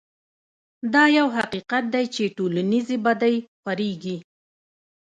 دا يو حقيقت دی چې ټولنيزې بدۍ خورېږي.